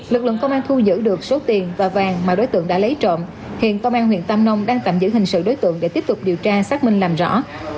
lực lượng công an thu giữ được số tiền và vàng mà đối tượng đã lấy trộm hiện công an huyện tam nông đang tạm giữ hình sự đối tượng để tiếp tục điều tra xác minh làm rõ